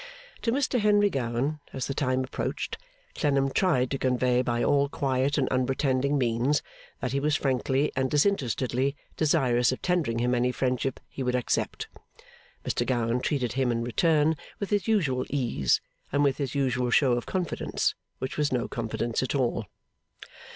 To Mr Henry Gowan, as the time approached, Clennam tried to convey by all quiet and unpretending means, that he was frankly and disinterestedly desirous of tendering him any friendship he would accept. Mr Gowan treated him in return with his usual ease, and with his usual show of confidence, which was no confidence at all.